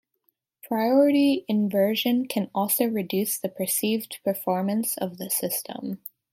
Priority inversion can also reduce the perceived performance of the system.